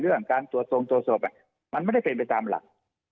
เรื่องการตรวจทรงตรวจสอบมันไม่ได้เป็นไปตามหลัก